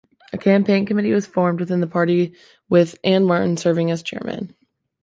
A Campaign Committee was formed within the party with Anne Martin serving as chairman.